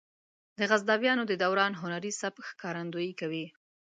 د غزنویانو د دوران هنري سبک ښکارندويي کوي.